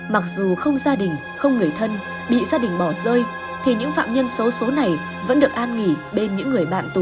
mặc dù không gia đình không người thân bị gia đình bỏ rơi thì những phạm nhân xấu xố này vẫn được an nghỉ bên những người bạn tù